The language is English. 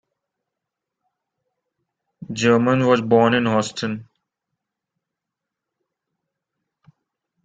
Germann was born in Houston.